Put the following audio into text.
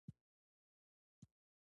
افغانستان له دریابونه ډک دی.